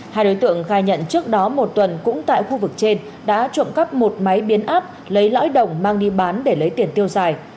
hai đối tượng khai nhận trước đó một tuần cũng tại khu vực trên đã trộm cắp một máy biến áp lấy lõi đồng mang đi bán để lấy tiền tiêu xài